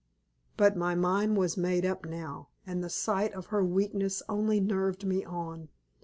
But my mind was made up now, and the sight of her weakness only nerved me on.